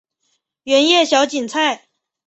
圆叶小堇菜